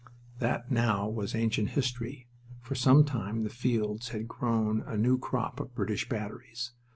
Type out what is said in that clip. That, now, was ancient history. For some time the fields had grown a new crop of British batteries.